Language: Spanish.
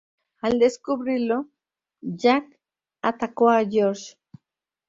Al descubrirlo, Jack atacó a George.